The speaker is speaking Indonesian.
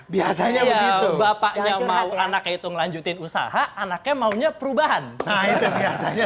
biasanya begitu bapaknya mau anak itu melanjutkan usaha anaknya maunya perubahan nah itu biasanya